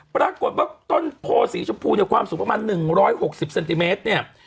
ปรากฏว่าต้นโพสีชมพูเนี่ยความสูงประมาณ๑๖๐เซนติเมตรเนี่ย